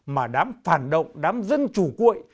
mà đám phản động đám dân chủ cuội